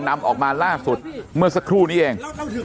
นำออกมาล่าสุดเมื่อสักครู่นี้เอง